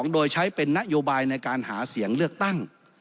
โดยใช้เป็นนโยบายในการหาเสียงเลือกตั้ง